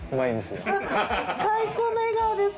最高の笑顔です。